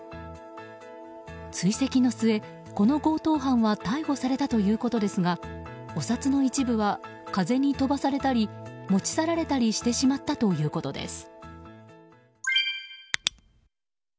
追跡の末、この強盗犯は逮捕されたということですがお札の一部は風に飛ばされたり持ち去られたりしてしまったということです。